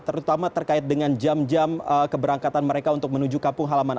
terutama terkait dengan jam jam keberangkatan mereka untuk menuju kampung halaman